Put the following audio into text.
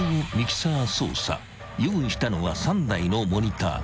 ［用意したのは３台のモニター］